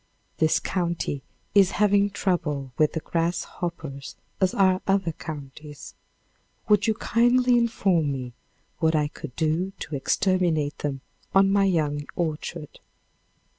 This county is having trouble with the grasshoppers as are other counties. Would you kindly inform me what I could do to exterminate them on my young orchard?